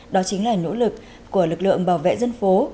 đó chính là nỗ lực của lực lượng bảo vệ dân phố